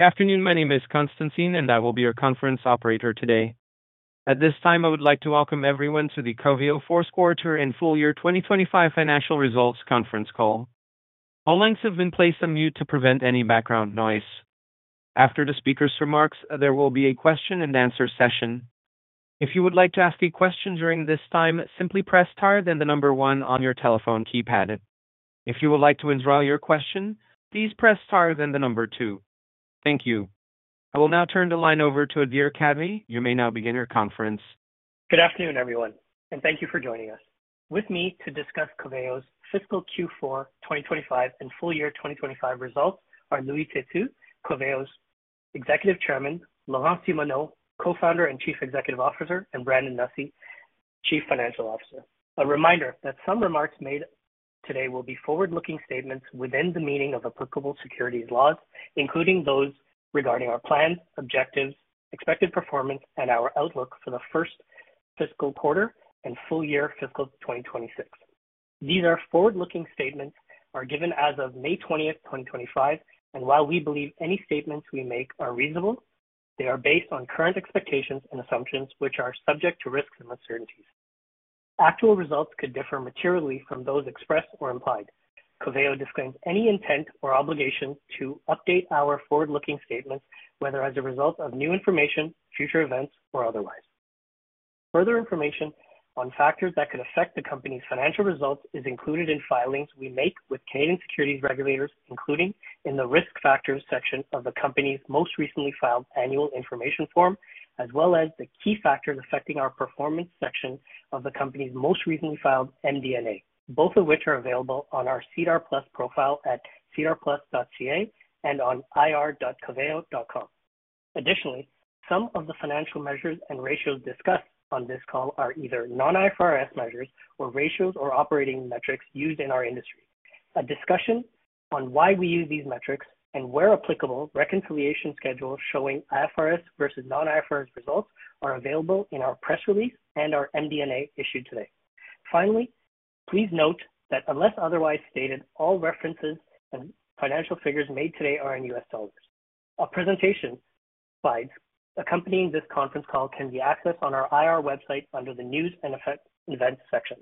Good afternoon, my name is Konstantin, and I will be your conference operator today. At this time, I would like to welcome everyone to the Coveo Solutions 2025 Financial Results Conference Call. All lines have been placed on mute to prevent any background noise. After the speaker's remarks, there will be a question-and-answer session. If you would like to ask a question during this time, simply press star then the number one on your telephone keypad. If you would like to withdraw your question, please press star then the number two. Thank you. I will now turn the line over to Adhir Kadve. You may now begin your conference. Good afternoon, everyone, and thank you for joining us. With me to discuss Coveo's fiscal Q4 2025 and full year 2025 results are Louis Têtu, Coveo's Executive Chairman, Laurent Simoneau, Co-founder and Chief Executive Officer, and Brandon Nussey, Chief Financial Officer. A reminder that some remarks made today will be forward-looking statements within the meaning of applicable securities laws, including those regarding our plans, objectives, expected performance, and our outlook for the first fiscal quarter and full year fiscal 2026. These are forward-looking statements that are given as of May 20th, 2025, and while we believe any statements we make are reasonable, they are based on current expectations and assumptions, which are subject to risks and uncertainties. Actual results could differ materially from those expressed or implied. Coveo disclaims any intent or obligation to update our forward-looking statements, whether as a result of new information, future events, or otherwise. Further information on factors that could affect the company's financial results is included in filings we make with Canadian securities regulators, including in the risk factors section of the company's most recently filed annual information form, as well as the key factors affecting our performance section of the company's most recently filed MD&A, both of which are available on our Cedar Plus profile at cedarplus.ca and on ircoveo.com. Additionally, some of the financial measures and ratios discussed on this call are either non-IFRS measures or ratios or operating metrics used in our industry. A discussion on why we use these metrics and, where applicable, reconciliation schedules showing IFRS versus non-IFRS results are available in our press release and our MD&A issued today. Finally, please note that unless otherwise stated, all references and financial figures made today are in U.S. dollars. Presentation slides accompanying this conference call can be accessed on our IR website under the News and Events section.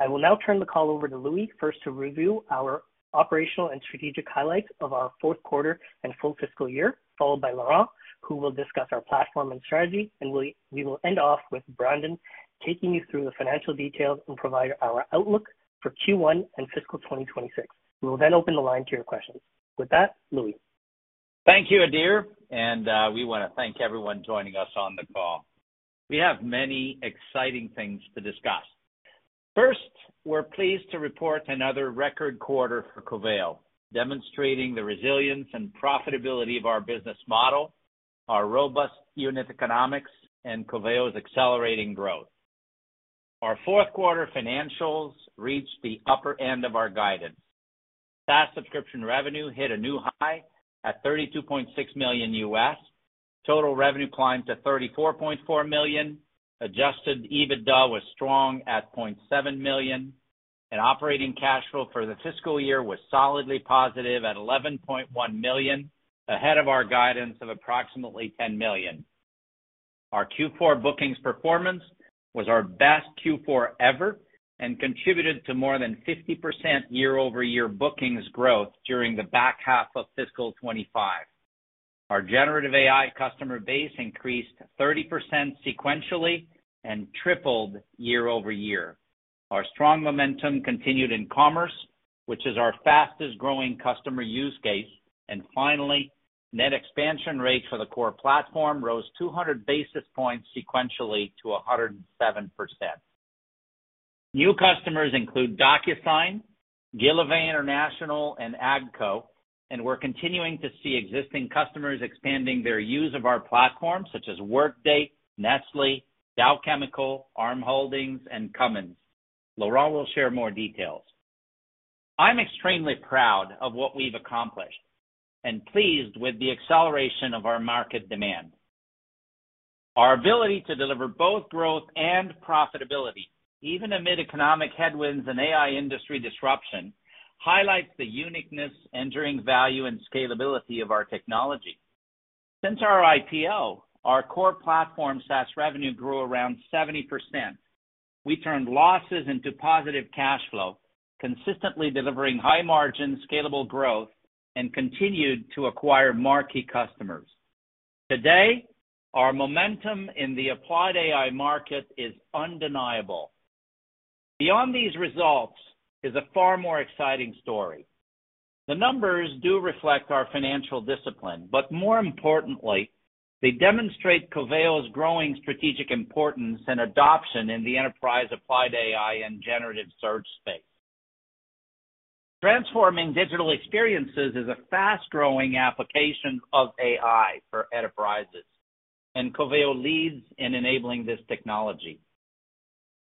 I will now turn the call over to Louis, first to review our operational and strategic highlights of our fourth quarter and full fiscal year, followed by Laurent, who will discuss our platform and strategy, and we will end off with Brandon taking you through the financial details and provide our outlook for Q1 and fiscal 2026. We will then open the line to your questions. With that, Louis. Thank you, Adhir, and we want to thank everyone joining us on the call. We have many exciting things to discuss. First, we're pleased to report another record quarter for Coveo, demonstrating the resilience and profitability of our business model, our robust unit economics, and Coveo's accelerating growth. Our fourth quarter financials reached the upper end of our guidance. SaaS subscription revenue hit a new high at $32.6 million U.S. Total revenue climbed to $34.4 million. Adjusted EBITDA was strong at $0.7 million. Operating cash flow for the fiscal year was solidly positive at $11.1 million, ahead of our guidance of approximately $10 million. Our Q4 bookings performance was our best Q4 ever and contributed to more than 50% year-over-year bookings growth during the back half of fiscal 2025. Our generative AI customer base increased 30% sequentially and tripled year-over-year. Our strong momentum continued in commerce, which is our fastest-growing customer use case. Finally, Net Expansion Rate for the core platform rose 200 basis points sequentially to 107%. New customers include Docusign, Guillevin International, and AGCO, and we're continuing to see existing customers expanding their use of our platform, such as Workday, Nestlé, Dow Chemical, Arm Holdings, and Cummins. Laurent will share more details. I'm extremely proud of what we've accomplished and pleased with the acceleration of our market demand. Our ability to deliver both growth and profitability, even amid economic headwinds and AI industry disruption, highlights the uniqueness, enduring value, and scalability of our technology. Since our IPO, our core platform SaaS revenue grew around 70%. We turned losses into positive cash flow, consistently delivering high-margin, scalable growth, and continued to acquire marquee customers. Today, our momentum in the applied AI market is undeniable. Beyond these results is a far more exciting story. The numbers do reflect our financial discipline, but more importantly, they demonstrate Coveo's growing strategic importance and adoption in the enterprise applied AI and generative search space. Transforming digital experiences is a fast-growing application of AI for enterprises, and Coveo leads in enabling this technology.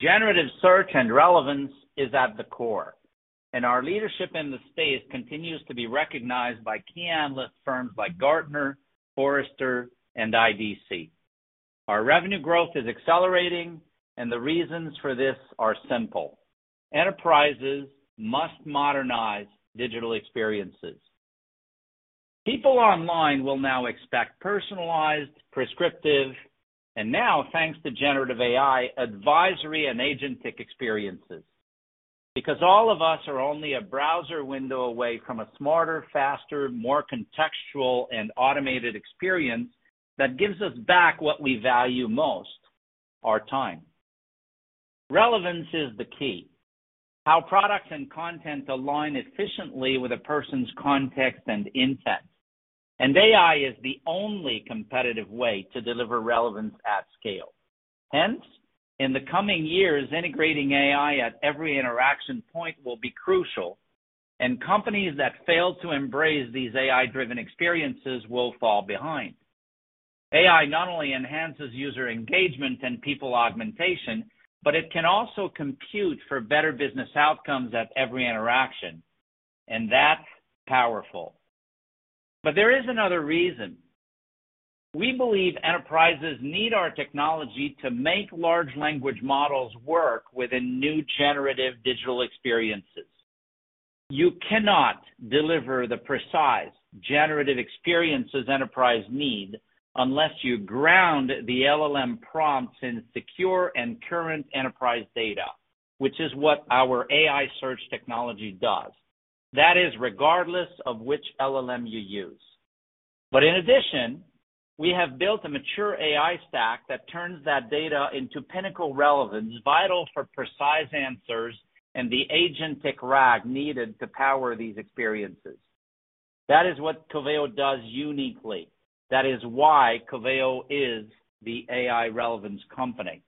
Generative search and relevance is at the core, and our leadership in the space continues to be recognized by key analyst firms like Gartner, Forrester, and IDC. Our revenue growth is accelerating, and the reasons for this are simple: enterprises must modernize digital experiences. People online will now expect personalized, prescriptive, and now, thanks to Generative AI, advisory and agentic experiences. Because all of us are only a browser window away from a smarter, faster, more contextual, and automated experience that gives us back what we value most: our time. Relevance is the key. How products and content align efficiently with a person's context and intent. AI is the only competitive way to deliver relevance at scale. In the coming years, integrating AI at every interaction point will be crucial, and companies that fail to embrace these AI-driven experiences will fall behind. AI not only enhances user engagement and people augmentation, but it can also compute for better business outcomes at every interaction. That is powerful. There is another reason. We believe enterprises need our technology to make large language models work within new generative digital experiences. You cannot deliver the precise generative experiences enterprises need unless you ground the LLM prompts in secure and current enterprise data, which is what our AI search technology does. That is regardless of which LLM you use. In addition, we have built a mature AI stack that turns that data into pinnacle relevance, vital for precise answers and the Agentic RAG needed to power these experiences. That is what Coveo does uniquely. That is why Coveo is the AI relevance company.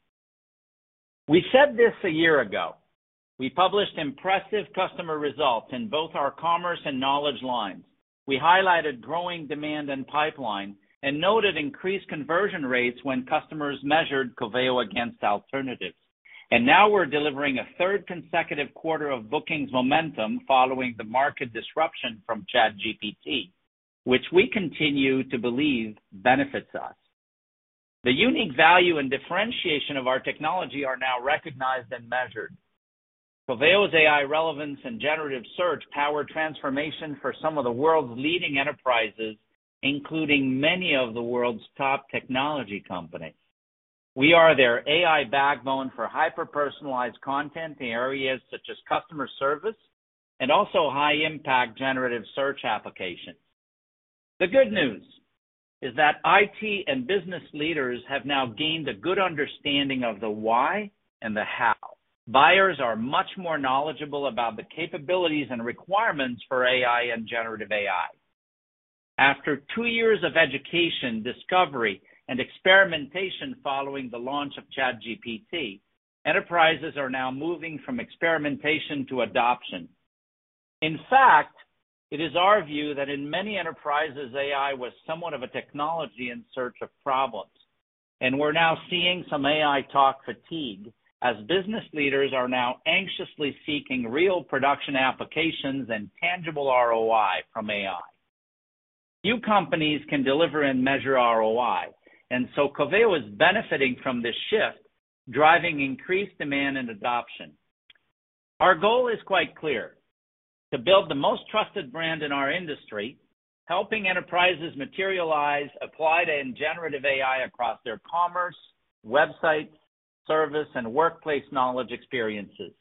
We said this a year ago. We published impressive customer results in both our commerce and knowledge lines. We highlighted growing demand and pipeline and noted increased conversion rates when customers measured Coveo against alternatives. Now we are delivering a third consecutive quarter of bookings momentum following the market disruption from ChatGPT, which we continue to believe benefits us. The unique value and differentiation of our technology are now recognized and measured. Coveo's AI relevance and generative search power transformation for some of the world's leading enterprises, including many of the world's top technology companies. We are their AI backbone for hyper-personalized content in areas such as customer service and also high-impact generative search applications. The good news is that IT and business leaders have now gained a good understanding of the why and the how. Buyers are much more knowledgeable about the capabilities and requirements for AI and generative AI. After two years of education, discovery, and experimentation following the launch of ChatGPT, enterprises are now moving from experimentation to adoption. In fact, it is our view that in many enterprises, AI was somewhat of a technology in search of problems. We're now seeing some AI talk fatigue as business leaders are now anxiously seeking real production applications and tangible ROI from AI. Few companies can deliver and measure ROI, and so Coveo is benefiting from this shift, driving increased demand and adoption. Our goal is quite clear: to build the most trusted brand in our industry, helping enterprises materialize applied and generative AI across their commerce, websites, service, and workplace knowledge experiences.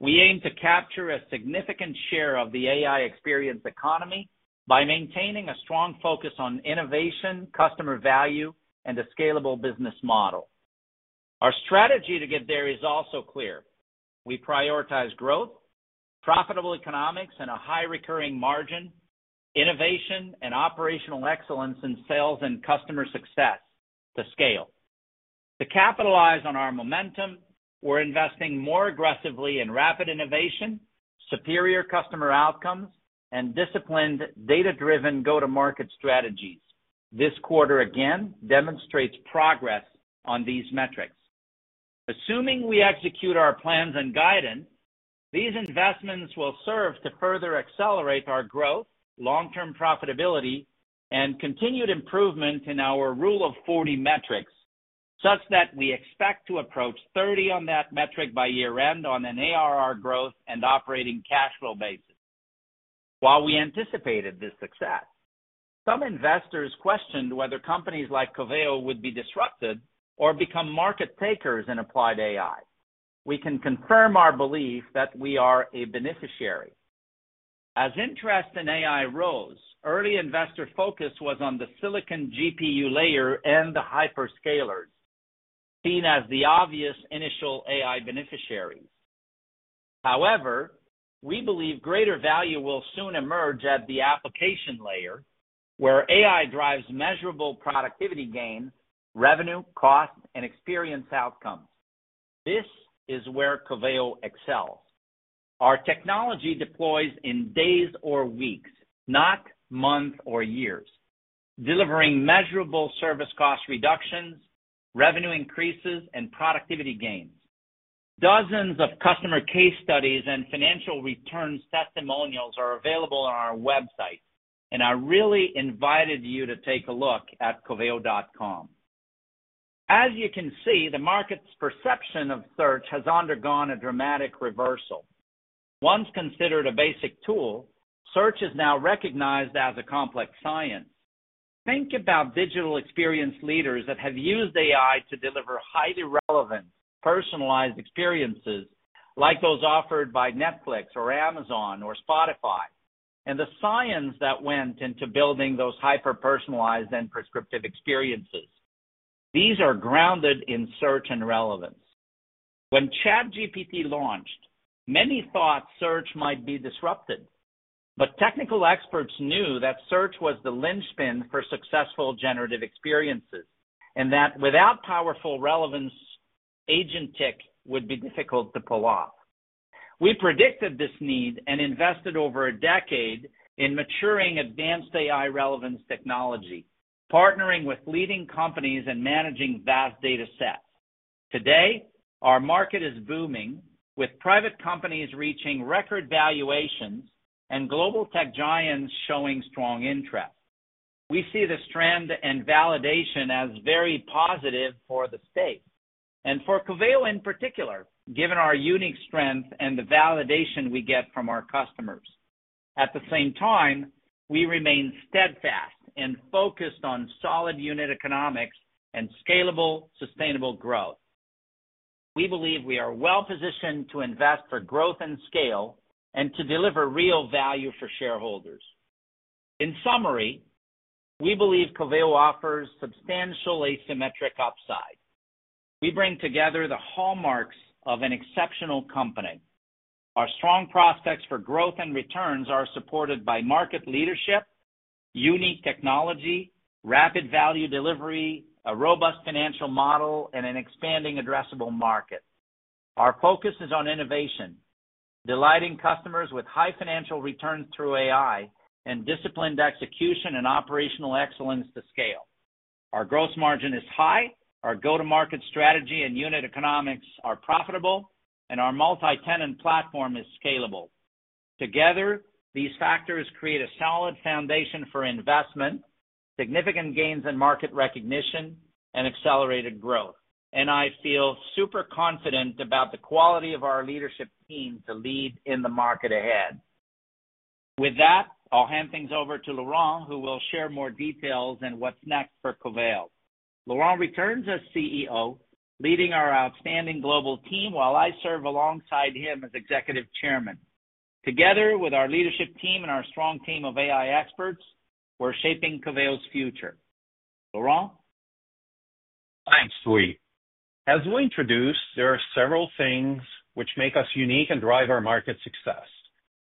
We aim to capture a significant share of the AI experience economy by maintaining a strong focus on innovation, customer value, and a scalable business model. Our strategy to get there is also clear. We prioritize growth, profitable economics, and a high recurring margin, innovation, and operational excellence in sales and customer success to scale. To capitalize on our momentum, we're investing more aggressively in rapid innovation, superior customer outcomes, and disciplined data-driven go-to-market strategies. This quarter again demonstrates progress on these metrics. Assuming we execute our plans and guidance, these investments will serve to further accelerate our growth, long-term profitability, and continued improvement in our rule of 40 metrics, such that we expect to approach 30 on that metric by year-end on an ARR growth and operating cash flow basis. While we anticipated this success, some investors questioned whether companies like Coveo would be disrupted or become market takers in applied AI. We can confirm our belief that we are a beneficiary. As interest in AI rose, early investor focus was on the silicon GPU layer and the hyperscalers, seen as the obvious initial AI beneficiaries. However, we believe greater value will soon emerge at the application layer, where AI drives measurable productivity gains, revenue, cost, and experience outcomes. This is where Coveo excels. Our technology deploys in days or weeks, not months or years, delivering measurable service cost reductions, revenue increases, and productivity gains. Dozens of customer case studies and financial returns testimonials are available on our website, and I really invite you to take a look at coveo.com. As you can see, the market's perception of search has undergone a dramatic reversal. Once considered a basic tool, search is now recognized as a complex science. Think about digital experience leaders that have used AI to deliver highly relevant, personalized experiences like those offered by Netflix or Amazon or Spotify, and the science that went into building those hyper-personalized and prescriptive experiences. These are grounded in search and relevance. When ChatGPT launched, many thought search might be disrupted, but technical experts knew that search was the linchpin for successful generative experiences and that without powerful relevance, agentic would be difficult to pull off. We predicted this need and invested over a decade in maturing advanced AI relevance technology, partnering with leading companies and managing vast data sets. Today, our market is booming, with private companies reaching record valuations and global tech giants showing strong interest. We see the strength and validation as very positive for the state, and for Coveo in particular, given our unique strength and the validation we get from our customers. At the same time, we remain steadfast and focused on solid unit economics and scalable, sustainable growth. We believe we are well-positioned to invest for growth and scale and to deliver real value for shareholders. In summary, we believe Coveo offers substantial asymmetric upside. We bring together the hallmarks of an exceptional company. Our strong prospects for growth and returns are supported by market leadership, unique technology, rapid value delivery, a robust financial model, and an expanding addressable market. Our focus is on innovation, delighting customers with high financial returns through AI and disciplined execution and operational excellence to scale. Our gross margin is high, our go-to-market strategy and unit economics are profitable, and our multi-tenant platform is scalable. Together, these factors create a solid foundation for investment, significant gains in market recognition, and accelerated growth. I feel super confident about the quality of our leadership team to lead in the market ahead. With that, I'll hand things over to Laurent, who will share more details and what's next for Coveo. Laurent returns as CEO, leading our outstanding global team while I serve alongside him as Executive Chairman. Together with our leadership team and our strong team of AI experts, we're shaping Coveo's future. Laurent? Thanks, Louis. As we introduced, there are several things which make us unique and drive our market success.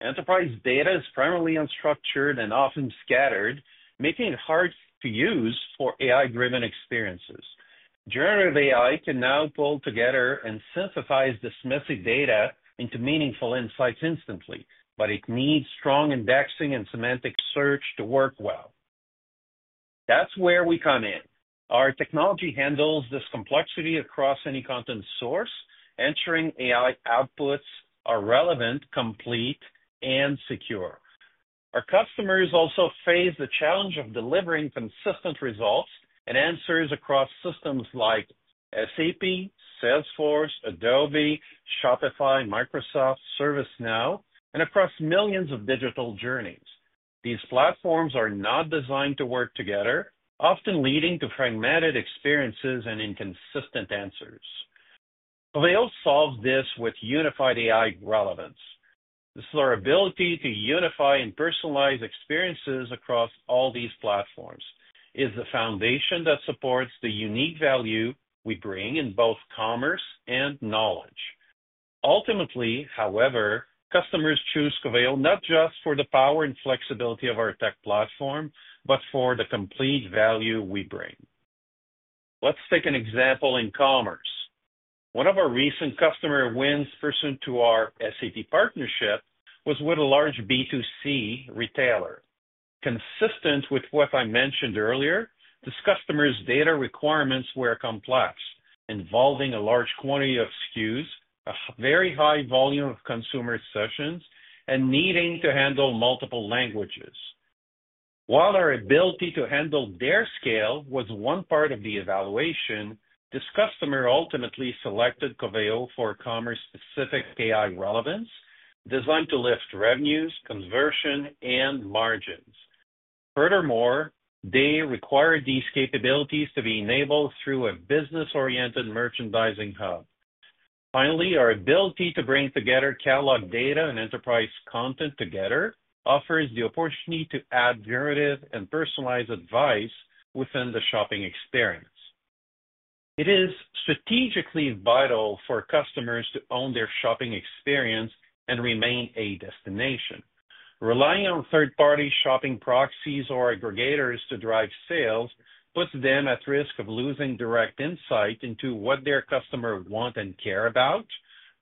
Enterprise data is primarily unstructured and often scattered, making it hard to use for AI-driven experiences. Generative AI can now pull together and synthesize dismissive data into meaningful insights instantly, but it needs strong indexing and semantic search to work well. That's where we come in. Our technology handles this complexity across any content source. Entering AI outputs are relevant, complete, and secure. Our customers also face the challenge of delivering consistent results and answers across systems like SAP, Salesforce, Adobe, Shopify, Microsoft, ServiceNow, and across millions of digital journeys. These platforms are not designed to work together, often leading to fragmented experiences and inconsistent answers. Coveo solves this with unified AI relevance. This is our ability to unify and personalize experiences across all these platforms. It's the foundation that supports the unique value we bring in both commerce and knowledge. Ultimately, however, customers choose Coveo not just for the power and flexibility of our tech platform, but for the complete value we bring. Let's take an example in commerce. One of our recent customer wins pursuant to our SAP partnership was with a large B2C retailer. Consistent with what I mentioned earlier, this customer's data requirements were complex, involving a large quantity of SKUs, a very high volume of consumer sessions, and needing to handle multiple languages. While our ability to handle their scale was one part of the evaluation, this customer ultimately selected Coveo for commerce-specific AI relevance, designed to lift revenues, conversion, and margins. Furthermore, they require these capabilities to be enabled through a business-oriented merchandising hub. Finally, our ability to bring together catalog data and enterprise content together offers the opportunity to add generative and personalized advice within the shopping experience. It is strategically vital for customers to own their shopping experience and remain a destination. Relying on third-party shopping proxies or aggregators to drive sales puts them at risk of losing direct insight into what their customers want and care about,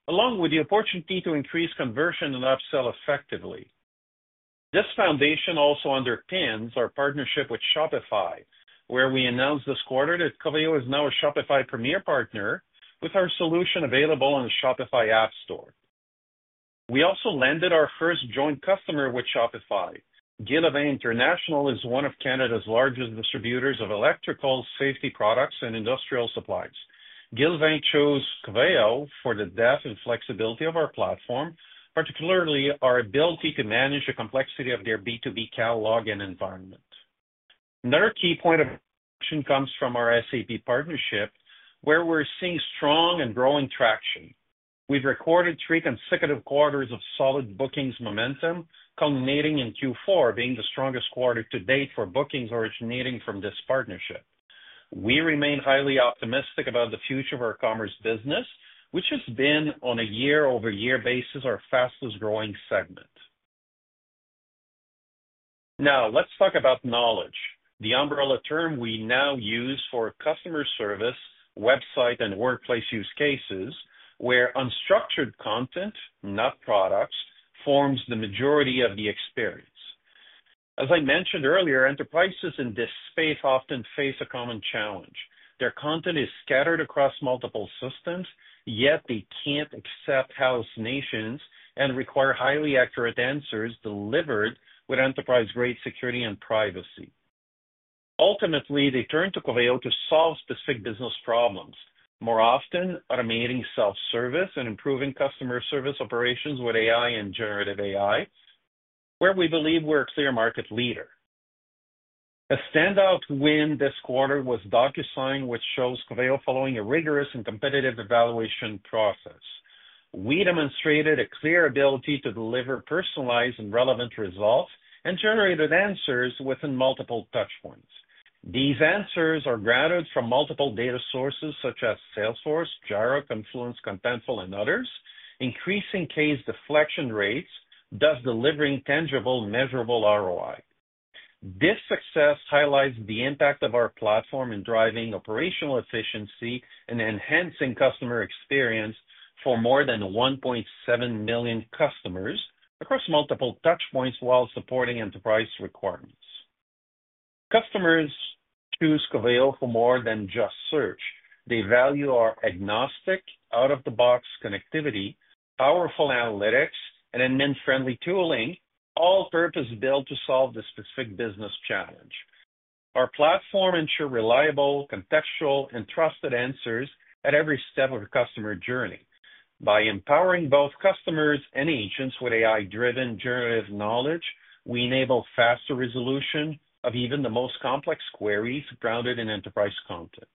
along with the opportunity to increase conversion and upsell effectively. This foundation also underpins our partnership with Shopify, where we announced this quarter that Coveo is now a Shopify Premier partner with our solution available on the Shopify App Store. We also landed our first joint customer with Shopify. Guillevin International is one of Canada's largest distributors of electrical safety products and industrial supplies. Guillevin chose Coveo for the depth and flexibility of our platform, particularly our ability to manage the complexity of their B2B catalog and environment. Another key point of action comes from our SAP partnership, where we're seeing strong and growing traction. We've recorded three consecutive quarters of solid bookings momentum, culminating in Q4 being the strongest quarter to date for bookings originating from this partnership. We remain highly optimistic about the future of our commerce business, which has been, on a year-over-year basis, our fastest-growing segment. Now, let's talk about knowledge, the umbrella term we now use for customer service, website, and workplace use cases, where unstructured content, not products, forms the majority of the experience. As I mentioned earlier, enterprises in this space often face a common challenge. Their content is scattered across multiple systems, yet they can't accept hallucinations and require highly accurate answers delivered with enterprise-grade security and privacy. Ultimately, they turn to Coveo to solve specific business problems, more often automating self-service and improving customer service operations with AI and Generative AI, where we believe we're a clear market leader. A standout win this quarter was Docusign, which shows Coveo following a rigorous and competitive evaluation process. We demonstrated a clear ability to deliver personalized and relevant results and generated answers within multiple touchpoints. These answers are grounded from multiple data sources such as Salesforce, Jira, Confluence, Contentful, and others, increasing case deflection rates thus delivering tangible, measurable ROI. This success highlights the impact of our platform in driving operational efficiency and enhancing customer experience for more than 1.7 million customers across multiple touchpoints while supporting enterprise requirements. Our customers choose Coveo for more than just search. They value our agnostic, out-of-the-box connectivity, powerful analytics, and admin-friendly tooling, all purpose-built to solve the specific business challenge. Our platform ensures reliable, contextual, and trusted answers at every step of the customer journey. By empowering both customers and agents with AI-driven generative knowledge, we enable faster resolution of even the most complex queries grounded in enterprise content.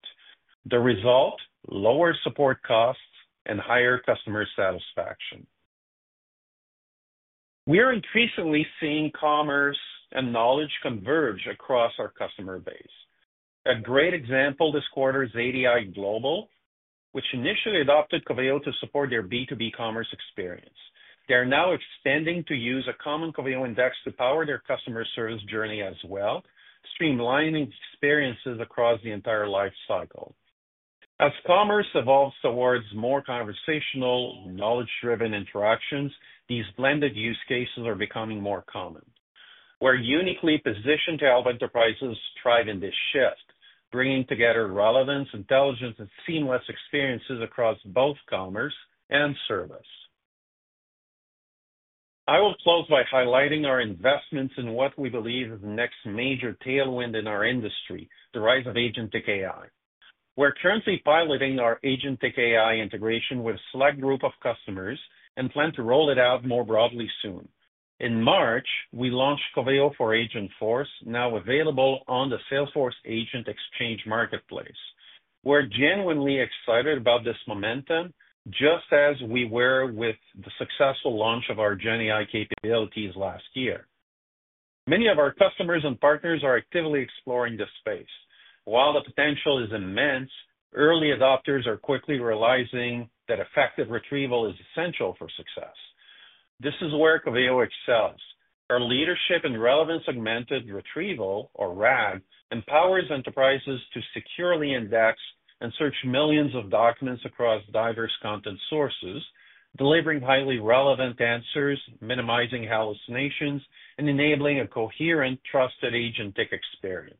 The result: lower support costs and higher customer satisfaction. We are increasingly seeing commerce and knowledge converge across our customer base. A great example this quarter is ADI Global, which initially adopted Coveo to support their B2B commerce experience. They are now extending to use a common Coveo index to power their customer service journey as well, streamlining experiences across the entire life cycle. As commerce evolves towards more conversational, knowledge-driven interactions, these blended use cases are becoming more common. We're uniquely positioned to help enterprises thrive in this shift, bringing together relevance, intelligence, and seamless experiences across both commerce and service. I will close by highlighting our investments in what we believe is the next major tailwind in our industry: the rise of Agentic AI. We're currently piloting our Agentic AI integration with a select group of customers and plan to roll it out more broadly soon. In March, we launched Coveo for Agentforce, now available on the Salesforce Agent Exchange Marketplace. We're genuinely excited about this momentum, just as we were with the successful launch of our GenAI capabilities last year. Many of our customers and partners are actively exploring this space. While the potential is immense, early adopters are quickly realizing that effective retrieval is essential for success. This is where Coveo excels. Our leadership and relevance-augmented retrieval, or RAG, empowers enterprises to securely index and search millions of documents across diverse content sources, delivering highly relevant answers, minimizing hallucinations, and enabling a coherent, trusted agentic experience.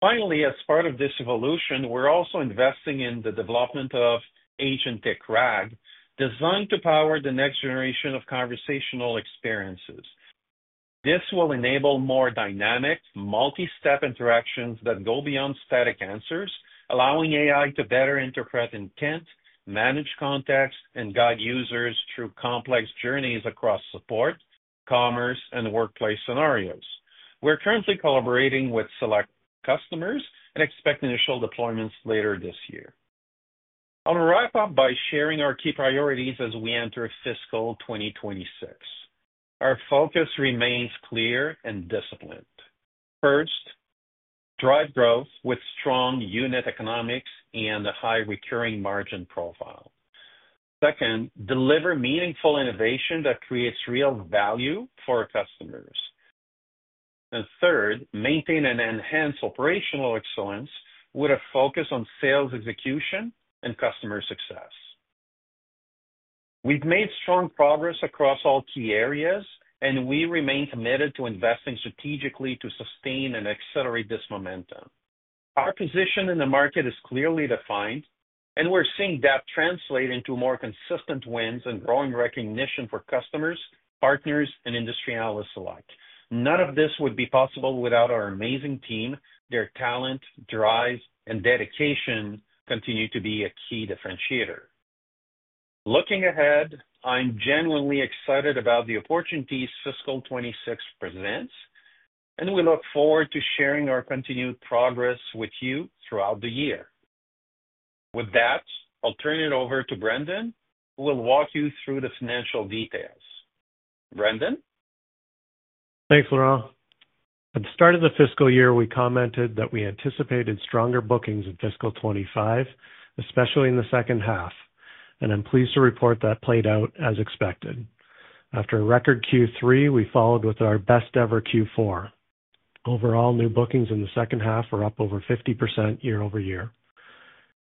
Finally, as part of this evolution, we're also investing in the development of Agentic RAG, designed to power the next generation of conversational experiences. This will enable more dynamic, multi-step interactions that go beyond static answers, allowing AI to better interpret intent, manage context, and guide users through complex journeys across support, commerce, and workplace scenarios. We're currently collaborating with select customers and expect initial deployments later this year. I'll wrap up by sharing our key priorities as we enter fiscal 2026. Our focus remains clear and disciplined. First, drive growth with strong unit economics and a high recurring margin profile. Second, deliver meaningful innovation that creates real value for customers. Third, maintain and enhance operational excellence with a focus on sales execution and customer success. We've made strong progress across all key areas, and we remain committed to investing strategically to sustain and accelerate this momentum. Our position in the market is clearly defined, and we're seeing that translate into more consistent wins and growing recognition for customers, partners, and industry analysts alike. None of this would be possible without our amazing team. Their talent, drive, and dedication continue to be a key differentiator. Looking ahead, I'm genuinely excited about the opportunities fiscal 2026 presents, and we look forward to sharing our continued progress with you throughout the year. With that, I'll turn it over to Brandon, who will walk you through the financial details. Brandon? Thanks, Laurent. At the start of the fiscal year, we commented that we anticipated stronger bookings in fiscal 2025, especially in the second half, and I'm pleased to report that played out as expected. After a record Q3, we followed with our best-ever Q4. Overall, new bookings in the second half were up over 50% year-over-year.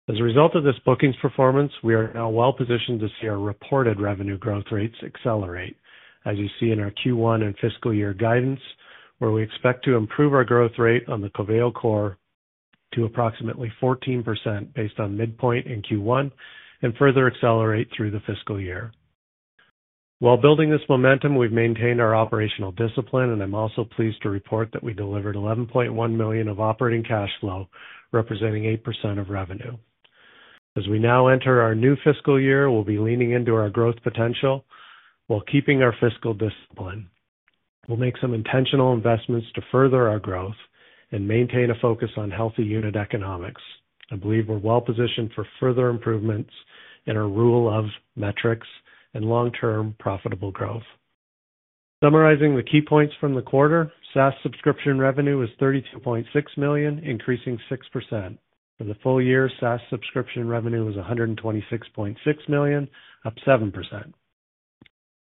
As a result of this bookings performance, we are now well-positioned to see our reported revenue growth rates accelerate, as you see in our Q1 and fiscal year guidance, where we expect to improve our growth rate on the Coveo core to approximately 14% based on midpoint in Q1 and further accelerate through the fiscal year. While building this momentum, we've maintained our operational discipline, and I'm also pleased to report that we delivered $11.1 million of operating cash flow, representing 8% of revenue. As we now enter our new fiscal year, we'll be leaning into our growth potential while keeping our fiscal discipline. We'll make some intentional investments to further our growth and maintain a focus on healthy unit economics. I believe we're well-positioned for further improvements in our rule of metrics and long-term profitable growth. Summarizing the key points from the quarter, SaaS subscription revenue was $32.6 million, increasing 6%. For the full year, SaaS subscription revenue was $126.6 million, up 7%.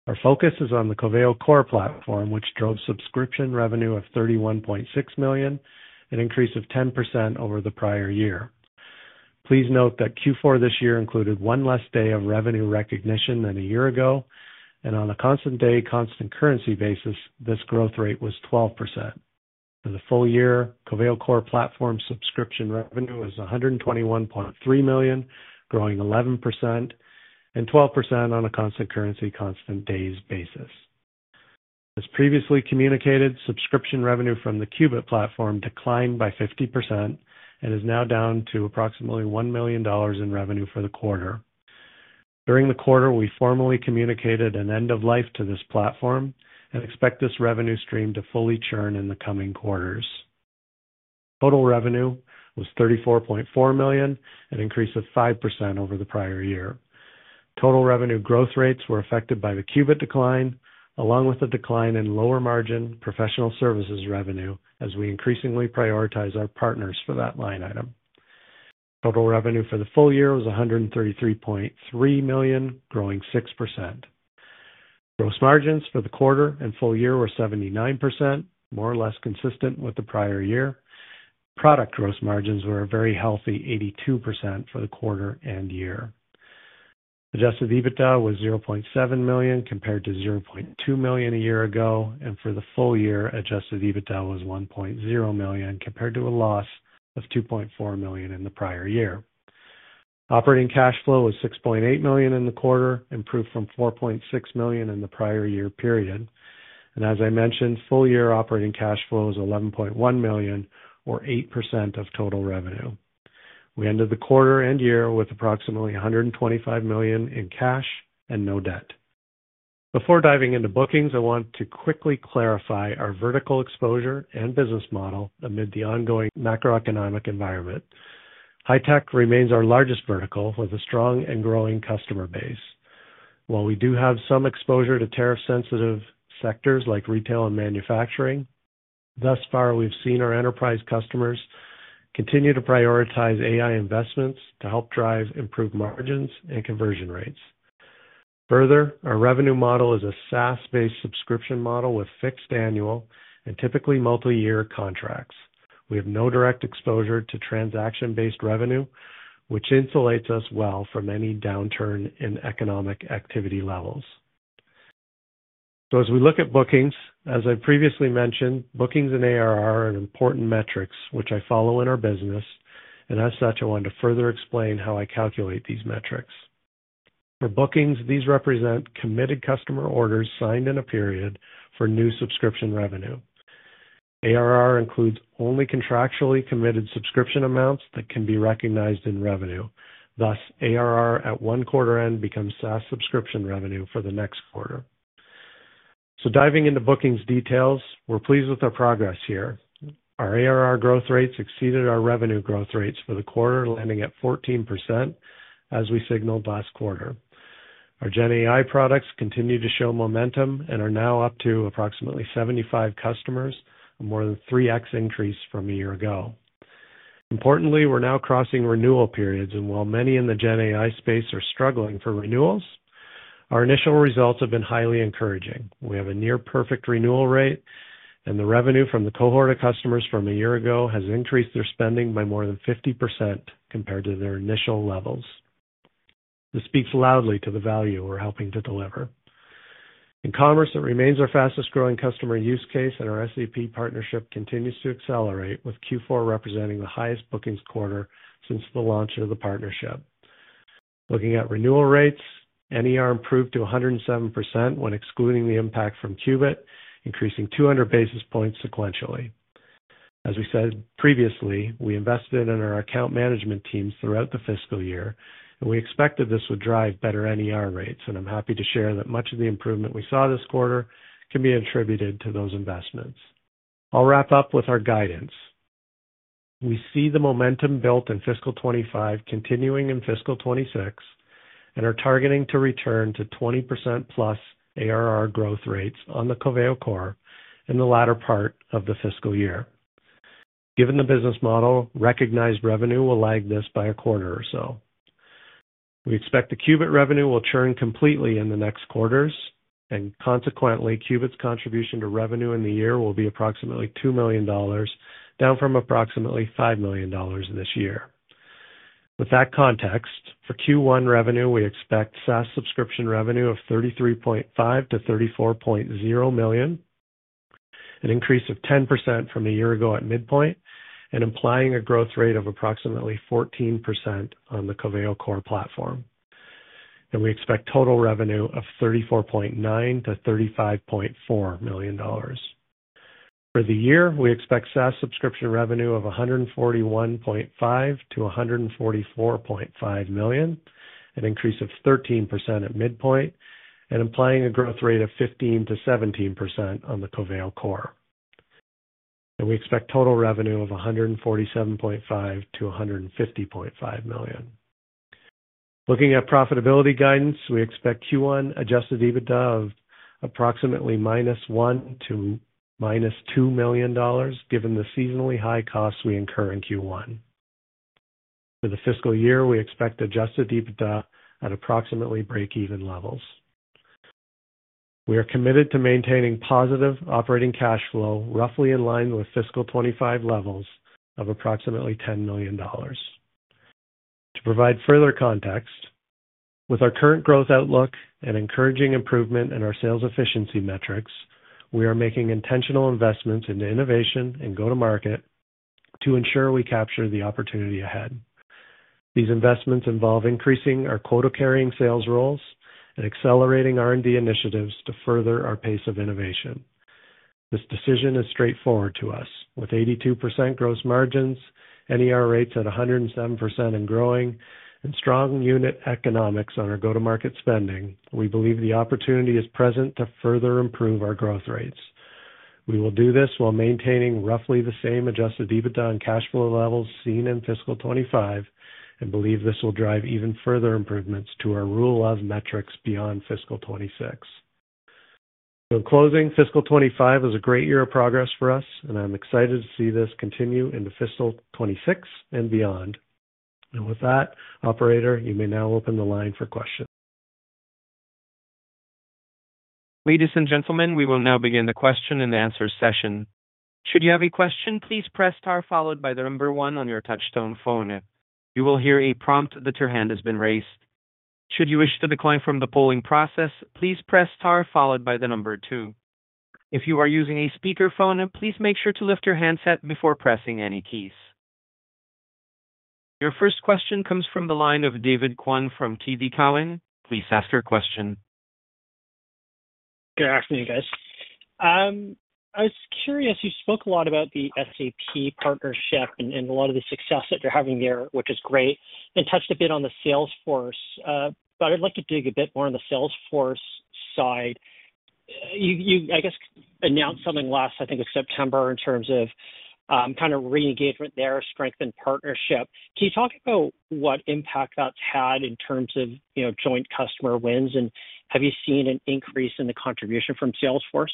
Our focus is on the Coveo core platform, which drove subscription revenue of $31.6 million, an increase of 10% over the prior year. Please note that Q4 this year included one less day of revenue recognition than a year ago, and on a constant day/constant currency basis, this growth rate was 12%. For the full year, Coveo core platform subscription revenue was $121.3 million, growing 11% and 12% on a constant currency/constant days basis. As previously communicated, subscription revenue from the Qubit platform declined by 50% and is now down to approximately $1 million in revenue for the quarter. During the quarter, we formally communicated an end of life to this platform and expect this revenue stream to fully churn in the coming quarters. Total revenue was $34.4 million, an increase of 5% over the prior year. Total revenue growth rates were affected by the Qubit decline, along with a decline in lower margin professional services revenue, as we increasingly prioritize our partners for that line item. Total revenue for the full year was $133.3 million, growing 6%. Gross margins for the quarter and full year were 79%, more or less consistent with the prior year. Product gross margins were a very healthy 82% for the quarter and year. Adjusted EBITDA was $0.7 million compared to $0.2 million a year ago, and for the full year, adjusted EBITDA was $1.0 million compared to a loss of $2.4 million in the prior year. Operating cash flow was $6.8 million in the quarter, improved from $4.6 million in the prior year period. As I mentioned, full year operating cash flow was $11.1 million, or 8% of total revenue. We ended the quarter and year with approximately $125 million in cash and no debt. Before diving into bookings, I want to quickly clarify our vertical exposure and business model amid the ongoing macroeconomic environment. High-tech remains our largest vertical with a strong and growing customer base. While we do have some exposure to tariff-sensitive sectors like retail and manufacturing, thus far, we've seen our enterprise customers continue to prioritize AI investments to help drive improved margins and conversion rates. Further, our revenue model is a SaaS-based subscription model with fixed annual and typically multi-year contracts. We have no direct exposure to transaction-based revenue, which insulates us well from any downturn in economic activity levels. As we look at bookings, as I previously mentioned, bookings and ARR are important metrics, which I follow in our business, and as such, I want to further explain how I calculate these metrics. For bookings, these represent committed customer orders signed in a period for new subscription revenue. ARR includes only contractually committed subscription amounts that can be recognized in revenue. Thus, ARR at one quarter end becomes SaaS subscription revenue for the next quarter. Diving into bookings details, we're pleased with our progress here. Our ARR growth rates exceeded our revenue growth rates for the quarter, landing at 14%, as we signaled last quarter. Our GenAI products continue to show momentum and are now up to approximately 75 customers, a more than 3x increase from a year ago. Importantly, we're now crossing renewal periods, and while many in the GenAI space are struggling for renewals, our initial results have been highly encouraging. We have a near-perfect renewal rate, and the revenue from the cohort of customers from a year ago has increased their spending by more than 50% compared to their initial levels. This speaks loudly to the value we're helping to deliver. In commerce, it remains our fastest-growing customer use case, and our SAP partnership continues to accelerate, with Q4 representing the highest bookings quarter since the launch of the partnership. Looking at renewal rates, NER improved to 107% when excluding the impact from Qubit, increasing 200 basis points sequentially. As we said previously, we invested in our account management teams throughout the fiscal year, and we expected this would drive better NER rates, and I'm happy to share that much of the improvement we saw this quarter can be attributed to those investments. I'll wrap up with our guidance. We see the momentum built in fiscal 2025 continuing in fiscal 2026, and are targeting to return to 20%+ ARR growth rates on the Coveo core in the latter part of the fiscal year. Given the business model, recognized revenue will lag this by a quarter or so. We expect the Qubit revenue will churn completely in the next quarters, and consequently, Qubit's contribution to revenue in the year will be approximately $2 million, down from approximately $5 million this year. With that context, for Q1 revenue, we expect SaaS subscription revenue of $33.5 million-$34.0 million, an increase of 10% from a year ago at midpoint, and implying a growth rate of approximately 14% on the Coveo core platform. We expect total revenue of $34.9 million-$35.4 million. For the year, we expect SaaS subscription revenue of $141.5 million-$144.5 million, an increase of 13% at midpoint, and implying a growth rate of 15%-17% on the Coveo core. We expect total revenue of $147.5 million-$150.5 million. Looking at profitability guidance, we expect Q1 adjusted EBITDA of approximately minus $1 to minus $2 million, given the seasonally high costs we incur in Q1. For the fiscal year, we expect adjusted EBITDA at approximately break-even levels. We are committed to maintaining positive operating cash flow, roughly in line with fiscal 2025 levels of approximately $10 million. To provide further context, with our current growth outlook and encouraging improvement in our sales efficiency metrics, we are making intentional investments into innovation and go-to-market to ensure we capture the opportunity ahead. These investments involve increasing our quota-carrying sales roles and accelerating R&D initiatives to further our pace of innovation. This decision is straightforward to us. With 82% gross margins, NER rates at 107% and growing, and strong unit economics on our go-to-market spending, we believe the opportunity is present to further improve our growth rates. We will do this while maintaining roughly the same adjusted EBITDA and cash flow levels seen in fiscal 2025, and believe this will drive even further improvements to our rule of metrics beyond fiscal 2026. In closing, fiscal 2025 is a great year of progress for us, and I'm excited to see this continue into fiscal 2026 and beyond. With that, Operator, you may now open the line for questions. Ladies and gentlemen, we will now begin the question and answer session. Should you have a question, please press star followed by the number one on your touch-tone phone. You will hear a prompt that your hand has been raised. Should you wish to decline from the polling process, please press star followed by the number two. If you are using a speakerphone, please make sure to lift your handset before pressing any keys. Your first question comes from the line of David Quinn from TD Cowen. Please ask your question. Good afternoon, guys. I was curious, you spoke a lot about the SAP partnership and a lot of the success that you're having there, which is great, and touched a bit on the Salesforce. I would like to dig a bit more on the Salesforce side. You, I guess, announced something last, I think it was September, in terms of kind of re-engagement there, strengthened partnership. Can you talk about what impact that's had in terms of joint customer wins, and have you seen an increase in the contribution from Salesforce?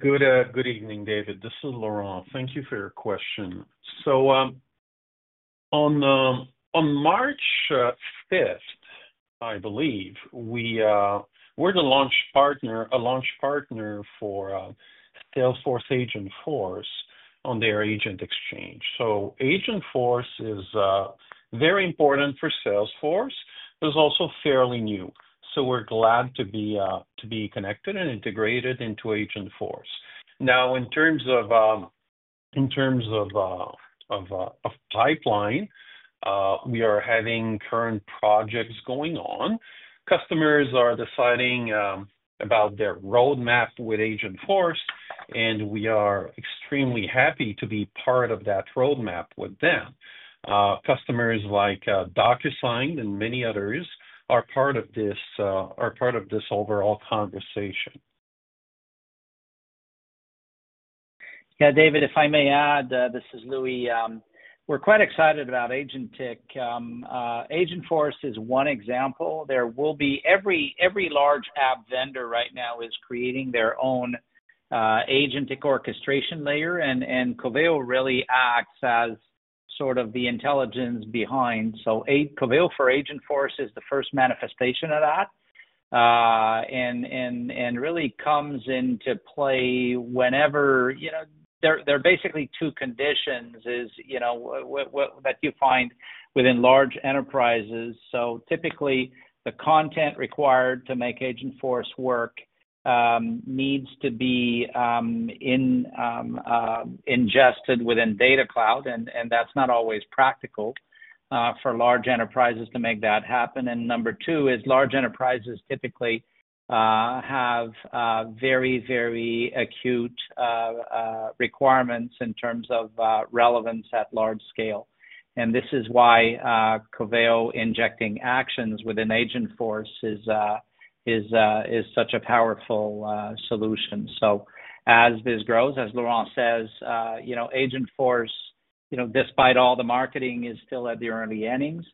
Good evening, David. This is Laurent. Thank you for your question. On March 5th, I believe, we were the launch partner for Salesforce Agentforce on their agent exchange. Agentforce is very important for Salesforce, but it's also fairly new. We are glad to be connected and integrated into Agentforce. In terms of pipeline, we are having current projects going on. Customers are deciding about their roadmap with Agentforce, and we are extremely happy to be part of that roadmap with them. Customers like Docusign and many others are part of this overall conversation. Yeah, David, if I may add, this is Louis. We're quite excited about Agentic. Agentforce is one example. Every large app vendor right now is creating their own Agentic orchestration layer, and Coveo really acts as sort of the intelligence behind. Coveo for Agentforce is the first manifestation of that and really comes into play whenever there are basically two conditions that you find within large enterprises. Typically, the content required to make Agentforce work needs to be ingested within data cloud, and that's not always practical for large enterprises to make that happen. Number two is large enterprises typically have very, very acute requirements in terms of relevance at large scale. This is why Coveo injecting actions within Agentforce is such a powerful solution. As this grows, as Laurent says, Agentforce, despite all the marketing, is still at the early innings,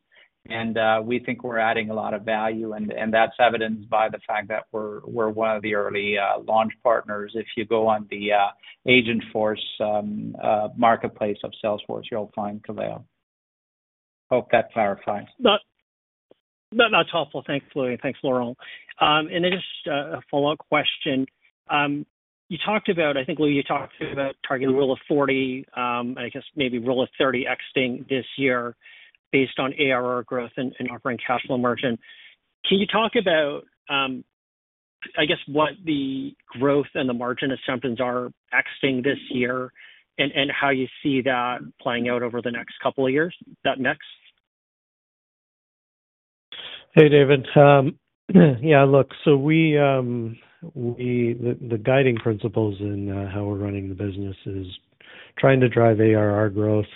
and we think we're adding a lot of value, and that's evidenced by the fact that we're one of the early launch partners. If you go on the Agentforce marketplace of Salesforce, you'll find Coveo. Hope that clarifies. That's helpful. Thanks, Louis. Thanks, Laurent. Just a follow-up question. You talked about, I think, Louis, you talked about targeting rule of 40, I guess maybe rule of 30, exiting this year based on ARR growth and offering cash flow margin. Can you talk about, I guess, what the growth and the margin assumptions are exiting this year and how you see that playing out over the next couple of years, that next? Hey, David. Yeah, look, the guiding principles in how we're running the business is trying to drive ARR growth.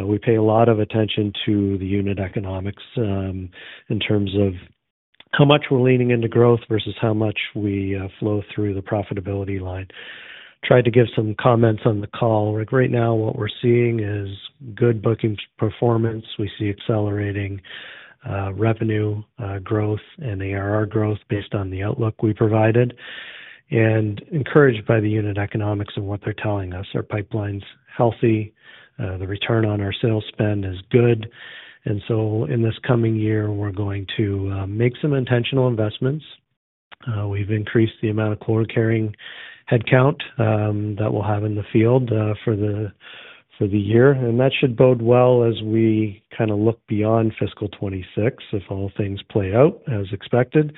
We pay a lot of attention to the unit economics in terms of how much we're leaning into growth versus how much we flow through the profitability line. Tried to give some comments on the call. Right now, what we're seeing is good booking performance. We see accelerating revenue growth and ARR growth based on the outlook we provided. Encouraged by the unit economics and what they're telling us, our pipeline's healthy. The return on our sales spend is good. In this coming year, we're going to make some intentional investments. We've increased the amount of quota-carrying headcount that we'll have in the field for the year. That should bode well as we kind of look beyond fiscal 2026, if all things play out as expected,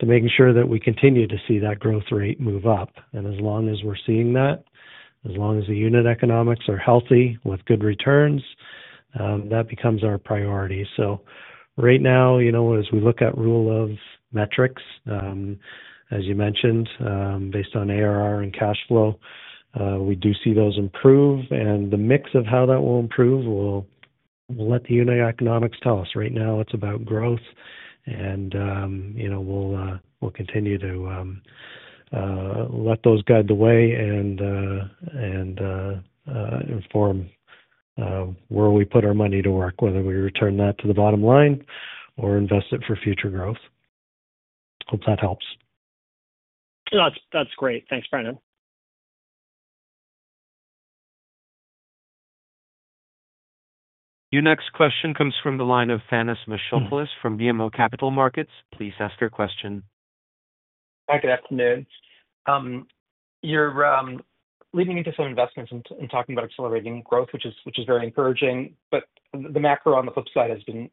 to making sure that we continue to see that growth rate move up. As long as we are seeing that, as long as the unit economics are healthy with good returns, that becomes our priority. Right now, as we look at rule of metrics, as you mentioned, based on ARR and cash flow, we do see those improve. The mix of how that will improve will let the unit economics tell us. Right now, it is about growth, and we will continue to let those guide the way and inform where we put our money to work, whether we return that to the bottom line or invest it for future growth. Hope that helps. That is great. Thanks, Brandon. Your next question comes from the line of Thanos Moschopoulos from BMO Capital Markets. Please ask your question. Hi, good afternoon. You are leaning into some investments and talking about accelerating growth, which is very encouraging. The macro on the flip side has been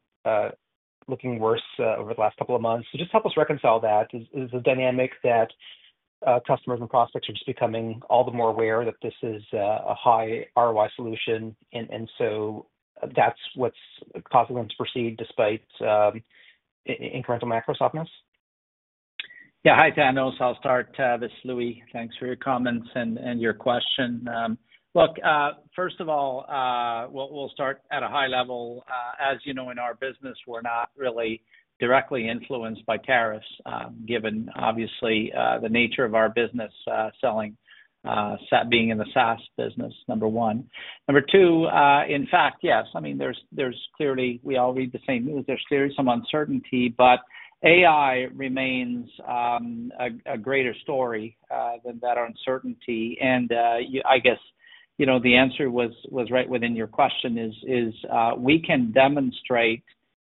looking worse over the last couple of months. Just help us reconcile that. Is the dynamic that customers and prospects are just becoming all the more aware that this is a high ROI solution, and so that is what is causing them to proceed despite incremental macro softness? Yeah. Hi, Thanos. I will start with Louis. Thanks for your comments and your question. Look, first of all, we will start at a high level. As you know, in our business, we are not really directly influenced by tariffs, given, obviously, the nature of our business being in the SaaS business, number one. Number two, in fact, yes. I mean, there is clearly, we all read the same news. There is clearly some uncertainty, but AI remains a greater story than that uncertainty. I guess the answer was right within your question. We can demonstrate,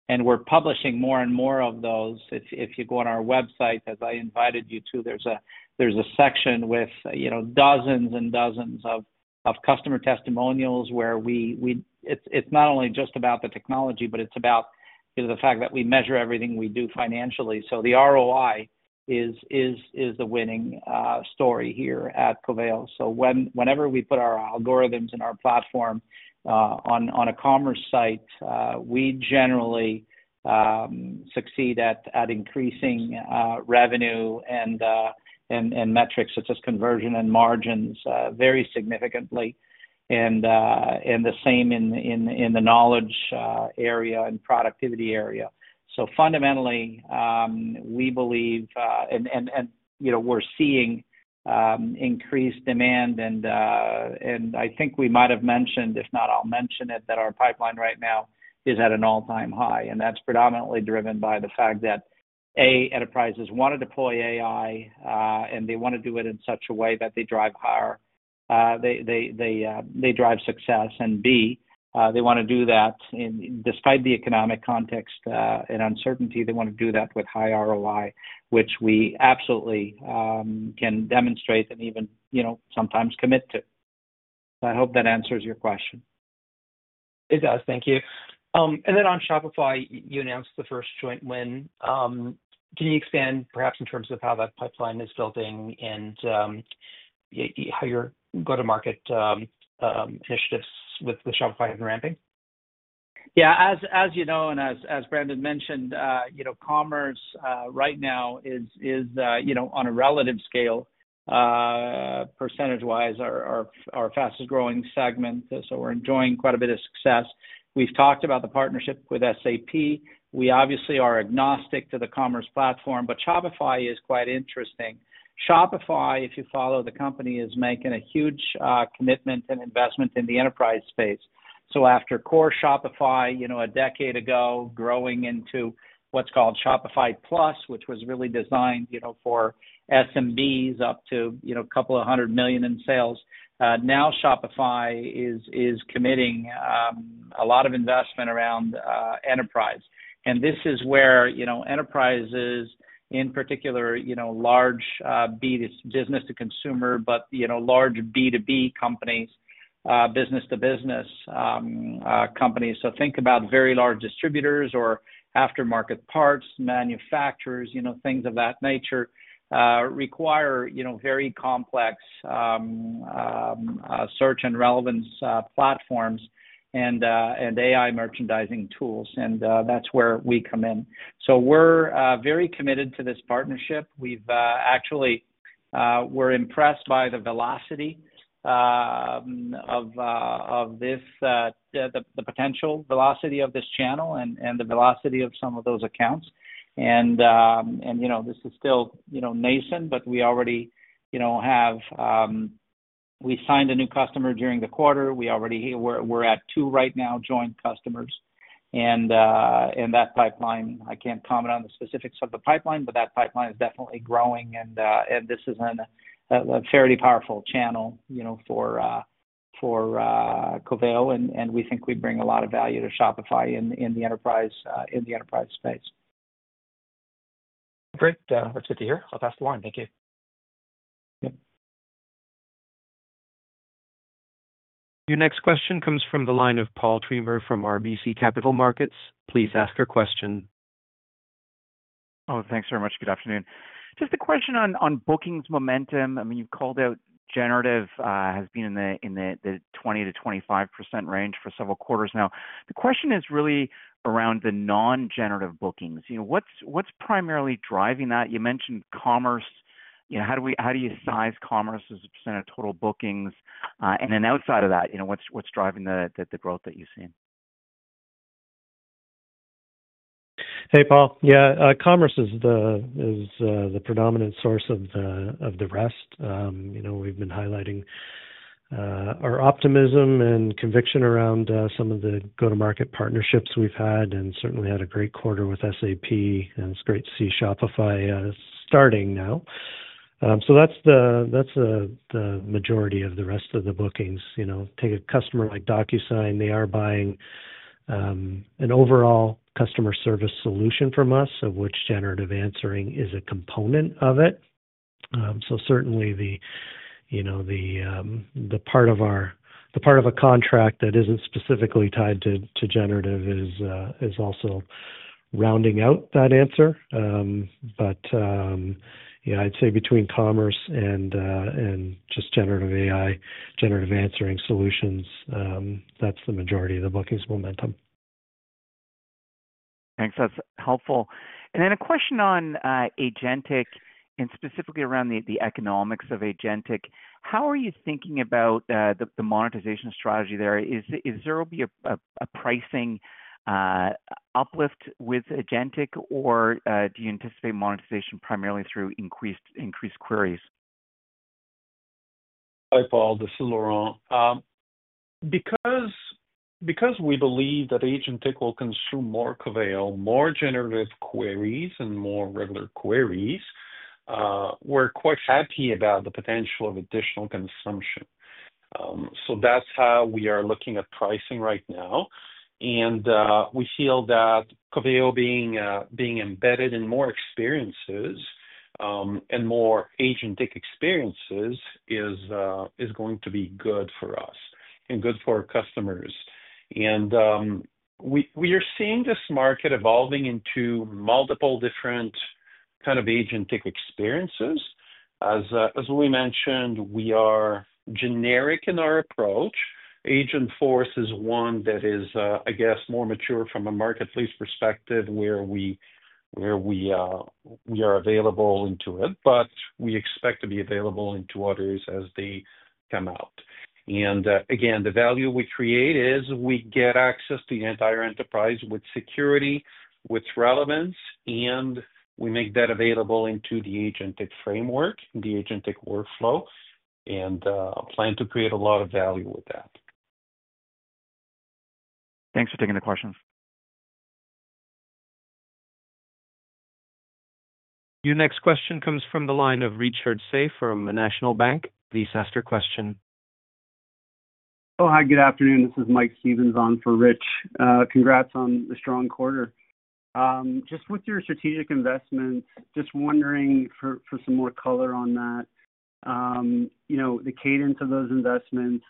and we're publishing more and more of those. If you go on our website, as I invited you to, there's a section with dozens and dozens of customer testimonials where it's not only just about the technology, but it's about the fact that we measure everything we do financially. The ROI is the winning story here at Coveo. Whenever we put our algorithms and our platform on a commerce site, we generally succeed at increasing revenue and metrics such as conversion and margins very significantly. The same in the knowledge area and productivity area. Fundamentally, we believe, and we're seeing increased demand. I think we might have mentioned, if not, I'll mention it, that our pipeline right now is at an all-time high. That is predominantly driven by the fact that, A, enterprises want to deploy AI, and they want to do it in such a way that they drive higher, they drive success. B, they want to do that despite the economic context and uncertainty. They want to do that with high ROI, which we absolutely can demonstrate and even sometimes commit to. I hope that answers your question. It does. Thank you. On Shopify, you announced the first joint win. Can you expand perhaps in terms of how that pipeline is building and how your go-to-market initiatives with Shopify are ramping? Yeah. As you know, and as Brandon mentioned, commerce right now is, on a relative scale, percentage-wise, our fastest-growing segment. We are enjoying quite a bit of success. We have talked about the partnership with SAP. We obviously are agnostic to the commerce platform, but Shopify is quite interesting. Shopify, if you follow, the company is making a huge commitment and investment in the enterprise space. After core Shopify a decade ago, growing into what's called Shopify Plus, which was really designed for SMBs up to a couple of hundred million in sales, now Shopify is committing a lot of investment around enterprise. This is where enterprises, in particular, large business-to-consumer, but large B2B companies, business-to-business companies. Think about very large distributors or aftermarket parts, manufacturers, things of that nature require very complex search and relevance platforms and AI merchandising tools. That's where we come in. We're very committed to this partnership. We've actually been impressed by the velocity of this, the potential velocity of this channel and the velocity of some of those accounts. This is still nascent, but we already have, we signed a new customer during the quarter. We're at two right now, joint customers. That pipeline, I can't comment on the specifics of the pipeline, but that pipeline is definitely growing, and this is a fairly powerful channel for Coveo. We think we bring a lot of value to Shopify in the enterprise space. Great. That's good to hear. I'll pass the line. Thank you. Your next question comes from the line of Paul Treiber from RBC Capital Markets. Please ask your question. Oh, thanks very much. Good afternoon. Just a question on bookings momentum. I mean, you've called out generative has been in the 20%-25% range for several quarters now. The question is really around the non-generative bookings. What's primarily driving that? You mentioned commerce. How do you size commerce as a percent of total bookings? And then outside of that, what's driving the growth that you've seen? Hey, Paul. Yeah. Commerce is the predominant source of the rest. We've been highlighting our optimism and conviction around some of the go-to-market partnerships we've had and certainly had a great quarter with SAP, and it's great to see Shopify starting now. That's the majority of the rest of the bookings. Take a customer like Docusign. They are buying an overall customer service solution from us, of which generative answering is a component of it. Certainly, the part of a contract that isn't specifically tied to generative is also rounding out that answer. Yeah, I'd say between commerce and just Generative AI, generative answering solutions, that's the majority of the bookings momentum. Thanks. That's helpful. A question on Agentic and specifically around the economics of Agentic. How are you thinking about the monetization strategy there? Is there will be a pricing uplift with Agentic, or do you anticipate monetization primarily through increased queries? Hi, Paul. This is Laurent. Because we believe that Agentic will consume more Coveo, more generative queries, and more regular queries, we are quite happy about the potential of additional consumption. That is how we are looking at pricing right now. We feel that Coveo being embedded in more experiences and more Agentic experiences is going to be good for us and good for our customers. We are seeing this market evolving into multiple different kinds of Agentic experiences. As Louie mentioned, we are generic in our approach. Agentforce is one that is, I guess, more mature from a marketplace perspective where we are available into it, but we expect to be available into others as they come out. Again, the value we create is we get access to the entire enterprise with security, with relevance, and we make that available into the Agentic framework, the Agentic workflow, and plan to create a lot of value with that. Thanks for taking the questions. Your next question comes from the line of Richard Safe from National Bank. Please ask your question. Oh, hi. Good afternoon. This is Mike Stevens on for Rich. Congrats on the strong quarter. Just with your strategic investments, just wondering for some more color on that, the cadence of those investments,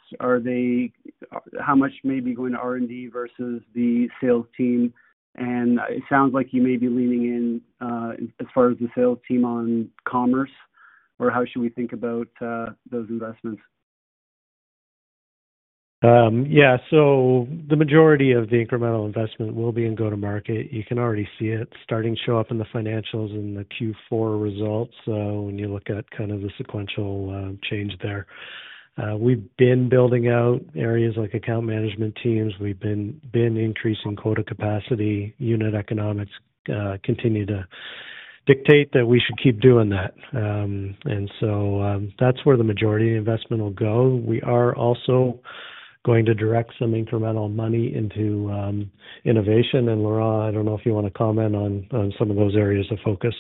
how much may be going to R&D versus the sales team? It sounds like you may be leaning in as far as the sales team on commerce, or how should we think about those investments? Yeah. The majority of the incremental investment will be in go-to-market. You can already see it starting to show up in the financials and the Q4 results when you look at kind of the sequential change there. We've been building out areas like account management teams. We've been increasing quota capacity. Unit economics continue to dictate that we should keep doing that. That is where the majority of the investment will go. We are also going to direct some incremental money into innovation. Laurent, I do not know if you want to comment on some of those areas of focus.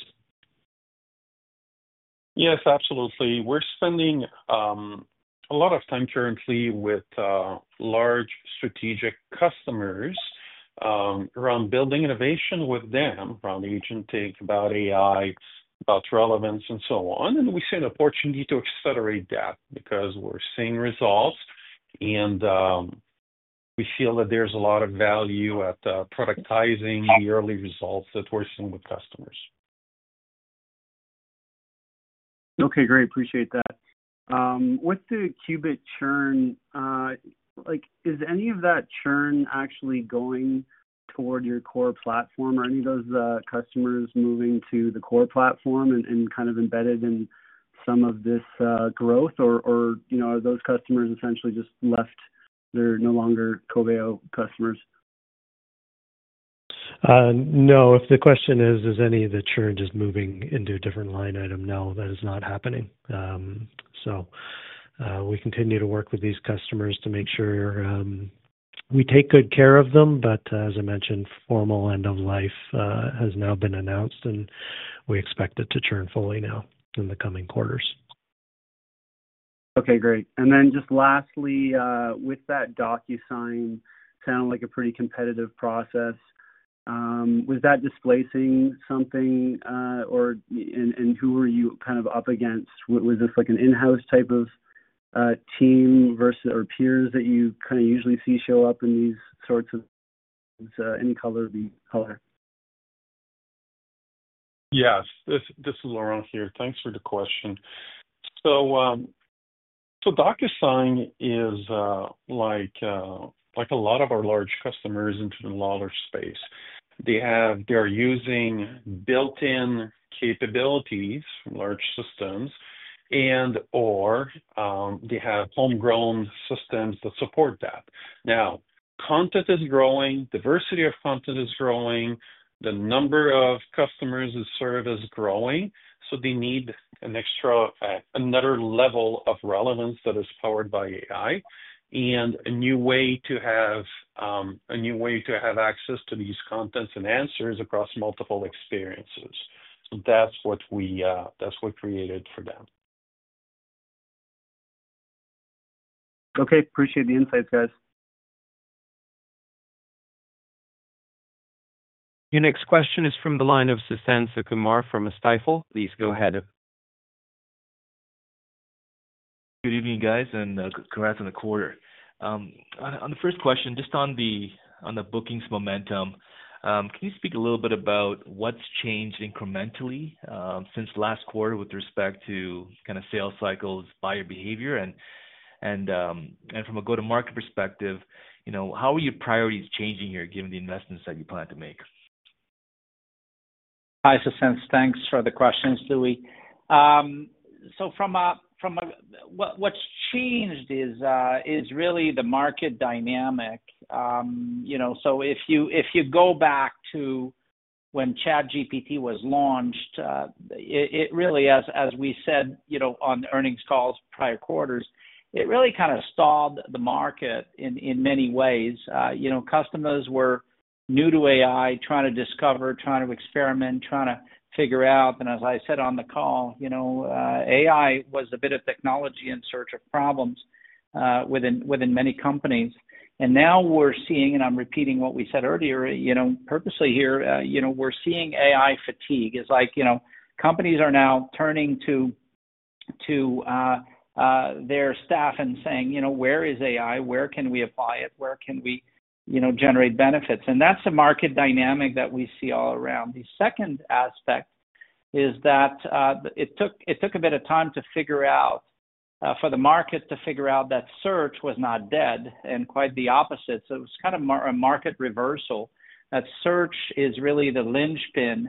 Yes, absolutely. We're spending a lot of time currently with large strategic customers around building innovation with them around Agentic, about AI, about relevance, and so on. We see an opportunity to accelerate that because we're seeing results, and we feel that there's a lot of value at productizing the early results that we're seeing with customers. Okay. Great. Appreciate that. With the Qubit churn, is any of that churn actually going toward your core platform? Are any of those customers moving to the core platform and kind of embedded in some of this growth, or are those customers essentially just left? They're no longer Coveo customers? No. If the question is, is any of the churn just moving into a different line item? No, that is not happening. We continue to work with these customers to make sure we take good care of them. As I mentioned, formal end of life has now been announced, and we expect it to churn fully now in the coming quarters. Okay. Great. Lastly, with that Docusign, sounded like a pretty competitive process. Was that displacing something, and who were you kind of up against? Was this an in-house type of team or peers that you kind of usually see show up in these sorts of, any color of the color? Yes. This is Laurent here. Thanks for the question. Docusign is like a lot of our large customers into the large space. They are using built-in capabilities, large systems, and/or they have homegrown systems that support that. Now, content is growing. Diversity of content is growing. The number of customers and service is growing. They need an extra, another level of relevance that is powered by AI and a new way to have access to these contents and answers across multiple experiences. That is what we created for them. Okay. Appreciate the insights, guys. Your next question is from the line of Suthan Sukumar from Stifel. Please go ahead. Good evening, guys, and congrats on the quarter. On the first question, just on the bookings momentum, can you speak a little bit about what has changed incrementally since last quarter with respect to kind of sales cycles, buyer behavior? From a go-to-market perspective, how are your priorities changing here given the investments that you plan to make? Hi, Suthan. Thanks for the questions, Louie. From what has changed is really the market dynamic. If you go back to when ChatGPT was launched, it really, as we said on earnings calls prior quarters, it really kind of stalled the market in many ways. Customers were new to AI, trying to discover, trying to experiment, trying to figure out. As I said on the call, AI was a bit of technology in search of problems within many companies. Now we're seeing, and I'm repeating what we said earlier purposely here, we're seeing AI fatigue. It's like companies are now turning to their staff and saying, "Where is AI? Where can we apply it? Where can we generate benefits?" That's a market dynamic that we see all around. The second aspect is that it took a bit of time to figure out for the market to figure out that search was not dead and quite the opposite. It was kind of a market reversal. That search is really the linchpin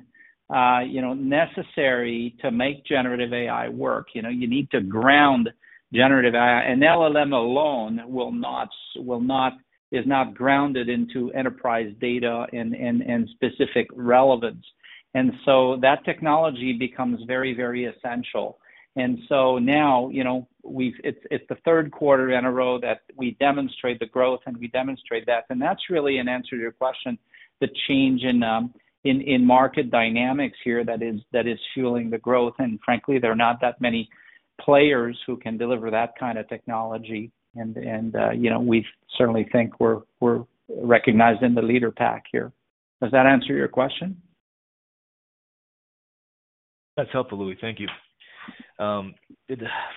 necessary to make Generative AI work. You need to ground Generative AI. An LLM alone is not grounded into enterprise data and specific relevance. That technology becomes very, very essential. Now it is the third quarter in a row that we demonstrate the growth, and we demonstrate that. That is really an answer to your question, the change in market dynamics here that is fueling the growth. Frankly, there are not that many players who can deliver that kind of technology. We certainly think we are recognized in the leader pack here. Does that answer your question? That is helpful, Louis. Thank you. For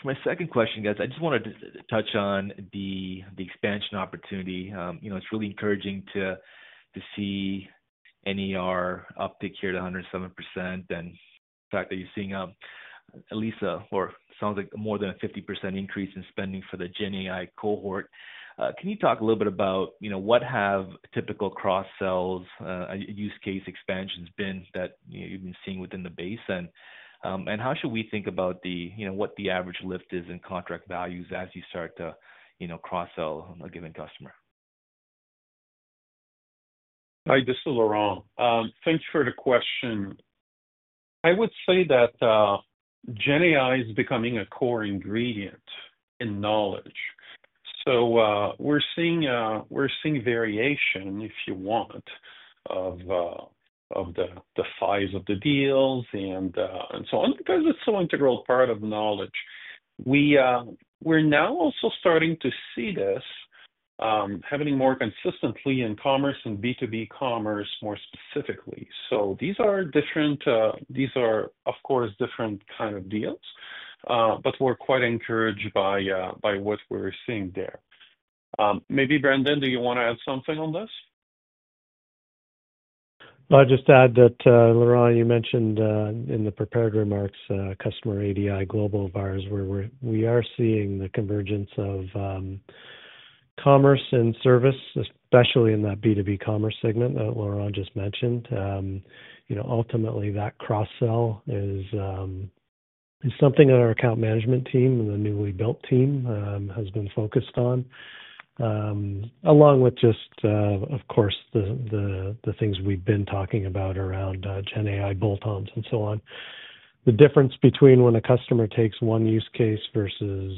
my second question, guys, I just wanted to touch on the expansion opportunity. It's really encouraging to see NER uptick here to 107% and the fact that you're seeing at least, or it sounds like, more than a 50% increase in spending for the GenAI cohort. Can you talk a little bit about what have typical cross-sell use case expansions been that you've been seeing within the basin? And how should we think about what the average lift is in contract values as you start to cross-sell a given customer? Hi, this is Laurent. Thanks for the question. I would say that GenAI is becoming a core ingredient in knowledge. So we're seeing variation, if you want, of the size of the deals and so on because it's so integral part of knowledge. We're now also starting to see this happening more consistently in commerce and B2B commerce more specifically. These are different, these are, of course, different kinds of deals, but we're quite encouraged by what we're seeing there. Maybe Brandon, do you want to add something on this? I'll just add that, Laurent, you mentioned in the prepared remarks, customer ADI Global, where we are seeing the convergence of commerce and service, especially in that B2B commerce segment that Laurent just mentioned. Ultimately, that cross-sell is something that our account management team and the newly built team has been focused on, along with just, of course, the things we've been talking about around GenAI bolt-ons and so on. The difference between when a customer takes one use case versus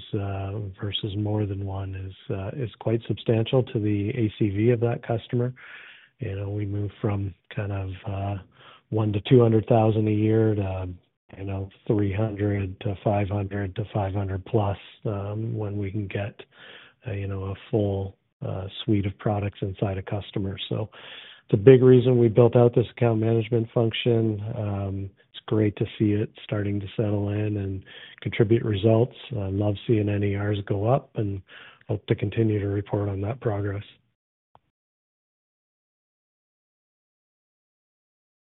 more than one is quite substantial to the ACV of that customer. We move from kind of one to $200,000 a year to $300,000-$500,000 to $500,000-plus when we can get a full suite of products inside a customer. It is a big reason we built out this account management function. It is great to see it starting to settle in and contribute results. I love seeing NERs go up and hope to continue to report on that progress.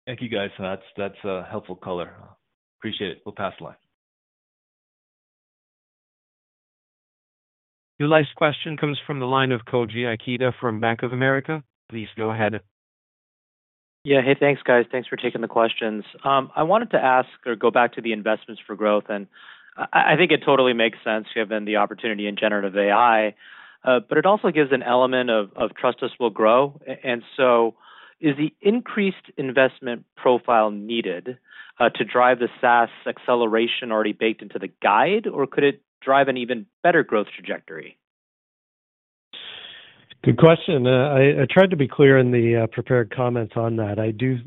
Thank you, guys. That is a helpful color. Appreciate it. We will pass the line. Your last question comes from the line of Koji Ikeda from Bank of America. Please go ahead. Yeah. Hey, thanks, guys. Thanks for taking the questions. I wanted to ask or go back to the investments for growth. I think it totally makes sense given the opportunity in Generative AI, but it also gives an element of trust us will grow. Is the increased investment profile needed to drive the SaaS acceleration already baked into the guide, or could it drive an even better growth trajectory? Good question. I tried to be clear in the prepared comments on that.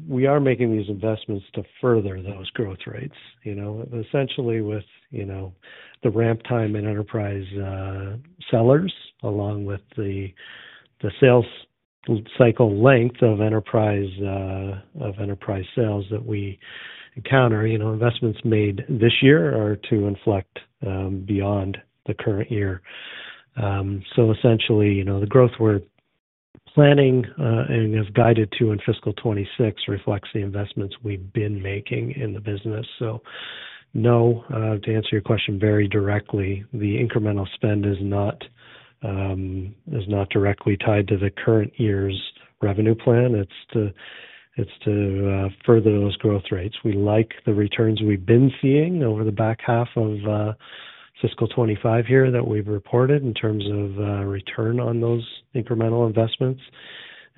We are making these investments to further those growth rates, essentially with the ramp time in enterprise sellers along with the sales cycle length of enterprise sales that we encounter. Investments made this year are to inflect beyond the current year. Essentially, the growth we are planning and have guided to in fiscal 2026 reflects the investments we have been making in the business. To answer your question very directly, the incremental spend is not directly tied to the current year's revenue plan. It is to further those growth rates. We like the returns we have been seeing over the back half of fiscal 2025 here that we have reported in terms of return on those incremental investments.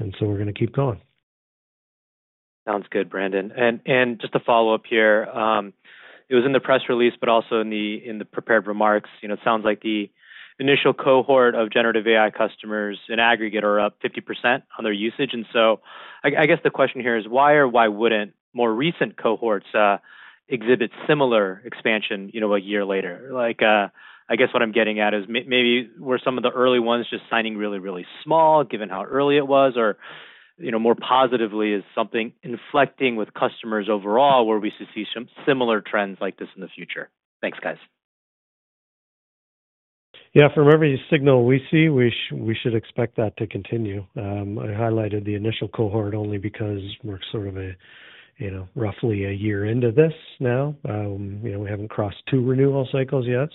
We are going to keep going. Sounds good, Brandon. Just to follow up here, it was in the press release, but also in the prepared remarks, it sounds like the initial cohort of Generative AI customers in aggregate are up 50% on their usage. I guess the question here is, why or why would not more recent cohorts exhibit similar expansion a year later? I guess what I am getting at is maybe were some of the early ones just signing really, really small given how early it was, or more positively is something inflecting with customers overall? Will we see some similar trends like this in the future? Thanks, guys. Yeah. From every signal we see, we should expect that to continue. I highlighted the initial cohort only because we're sort of roughly a year into this now. We haven't crossed two renewal cycles yet.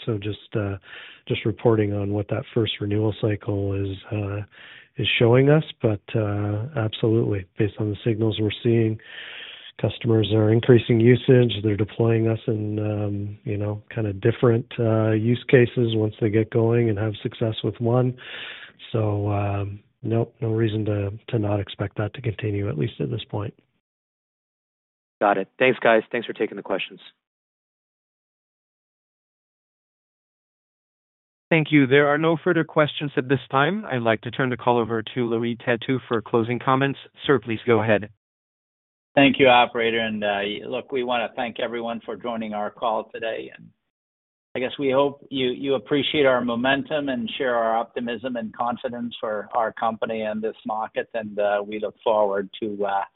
Just reporting on what that first renewal cycle is showing us. Absolutely, based on the signals we're seeing, customers are increasing usage. They're deploying us in kind of different use cases once they get going and have success with one. No reason to not expect that to continue, at least at this point. Got it. Thanks, guys. Thanks for taking the questions. Thank you. There are no further questions at this time. I'd like to turn the call over to Louis Têtu for closing comments. Sir, please go ahead. Thank you, operator. Look, we want to thank everyone for joining our call today. We hope you appreciate our momentum and share our optimism and confidence for our company and this market. We look forward to a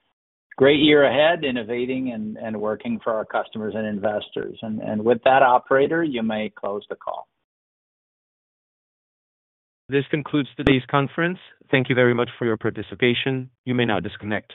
great year ahead, innovating and working for our customers and investors. With that, operator, you may close the call. This concludes today's conference. Thank you very much for your participation. You may now disconnect.